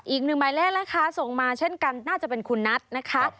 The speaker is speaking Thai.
อีกหนึ่งหมายเลขนะคะส่งมาเช่นกันน่าจะเป็นคุณนัทนะคะ